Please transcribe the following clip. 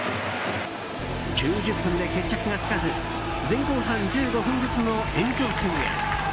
９０分で決着がつかず前後半１５分ずつの延長戦へ。